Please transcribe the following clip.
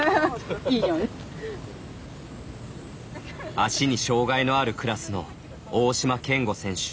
足に障がいのあるクラスの大島健吾選手。